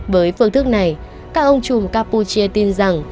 với phương thức này các ông chùm campuchia tin rằng